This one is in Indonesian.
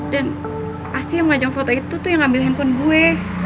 dan pasti yang ngajang foto itu tuh yang ambil handphone gue